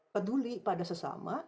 peduli pada sesama